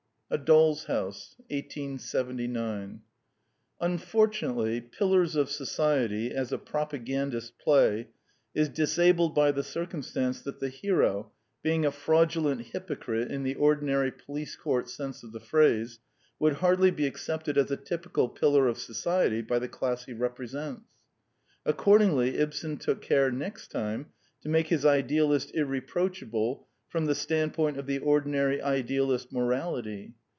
A Doll's House 1879 Unfortunately, Pillars of Society, as a propa gandist play, is disabled by the circumstance that the hero, being a fraudulent hypocrite in the ordi nary police court sense of the phrase, would hardly be accepted as a typical pillar of society by the class he represents. Accordingly, Ibsen took care next time to make his idealist irre proachable from the standpoint of the ordinary idealist morality.